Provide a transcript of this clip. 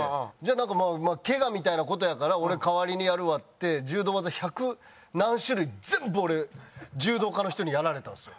なんかけがみたいな事やから俺代わりにやるわって柔道技百何種類全部俺柔道家の人にやられたんですよ。